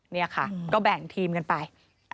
นี่ค่ะก็แบ่งทีมกันไป